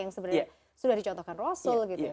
yang sebenarnya sudah dicontohkan rasul gitu ya